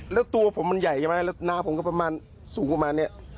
แล้วตัวผมมันใหญ่ใช่ไหมแล้วหน้าผมก็ประมาณสูงประมาณนี้